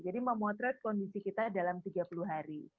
jadi memotret kondisi kita dalam tiga puluh hari